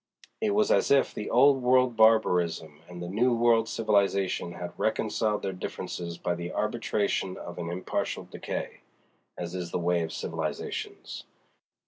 It was as if the Old World barbarism and the New World civilization had reconciled their differences by the arbitration of an impartial decay—as is the way of civilizations.